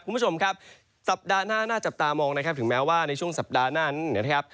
คุณผู้ชมครับสัปดาห์หน้าน่าจับตามองนะครับถึงแม้ว่าในช่วงสัปดาห์หน้านั้นนะครับ